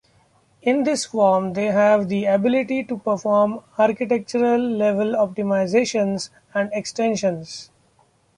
In this form, they have the ability to perform architectural level optimizations and extensions.